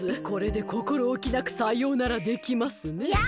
これでこころおきなくさようならできますね。